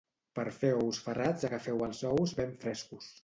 Per fer ous ferrats agafeu els ous ben frescos